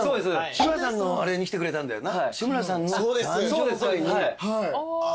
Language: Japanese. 志村さんのあれに来てくれたんだよな。